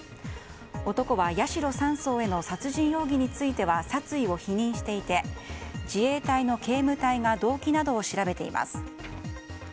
男は八代３曹への殺人容疑については殺意を否認していて自衛隊の警務隊が動機などを調べています。